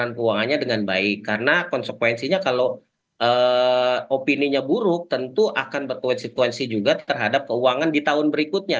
keuangannya dengan baik karena konsekuensinya kalau opini nya buruk tentu akan berkonsekuensi juga terhadap keuangan di tahun berikutnya